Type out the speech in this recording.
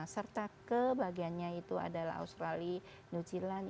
serta kebagiannya itu adalah australia new zealand